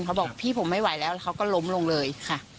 เขาบอกพี่ผมไม่ไหวแล้วแล้วเขาก็ล้มลงเลยค่ะ